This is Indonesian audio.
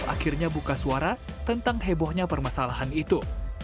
akhirnya buka suara tentang hebohnya permasalahan itu